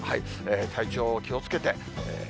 体調、気をつけて。